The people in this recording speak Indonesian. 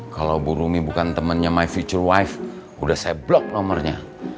kalau bu rumi bukan temennya my future wife udah saya blok nomernya